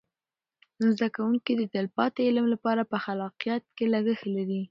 زده کوونکي د تلپاتې علم لپاره په خلاقیت کې لګښته لري.